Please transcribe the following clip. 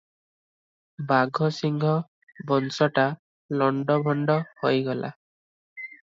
ବାଘସିଂହ ବଂଶଟା ଲଣ୍ତଭଣ୍ତ ହୋଇଗଲା ।